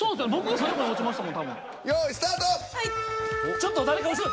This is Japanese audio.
ちょっと誰か後ろ！